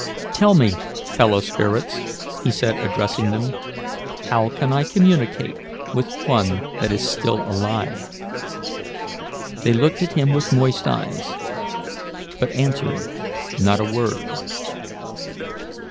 "Tell me, fellow spirits," he said, addressing them, "how can I communicate with one that is still alive?" They looked at him with moist eyes, but answered not a word.